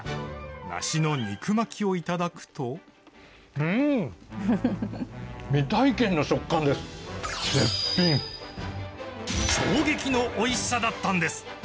なしの肉巻きを頂くと衝撃のおいしさだったんです！